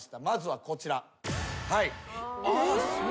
まずはこちら。